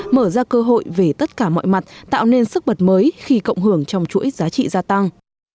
mở ra cơ hội về tất cả mọi mặt tạo nên sức bật mới khi cộng hưởng trong chuỗi giá trị gia tăng